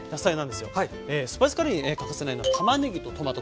スパイスカレーに欠かせないのはたまねぎとトマト